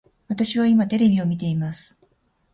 私は今テレビを見ています